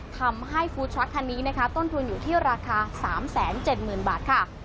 ทำให้ฟู้ดช็อตคันนี้นะคะต้นทุนอยู่ที่ราคา๓๗๐๐๐บาทค่ะ